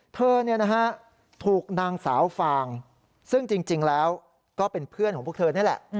เธอถูกนางสาวฟางซึ่งจริงแล้วก็เป็นเพื่อนของพวกเธอนี่แหละ